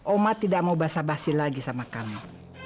oma tidak mau basa basi lagi sama kamu